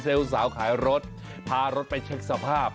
สาวขายรถพารถไปเช็คสภาพ